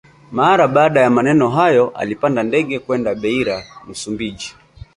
Mara baada ya maneno hayo alipanda ndege kwenda Beira Msumbiji